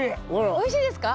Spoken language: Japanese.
おいしいですか？